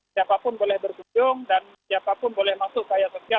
siapapun boleh berkunjung dan siapapun boleh masuk ke area sosial